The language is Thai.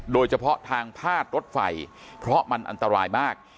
โดยเฉพาะทางพาดรถไฟเพราะมันอันตรายมาก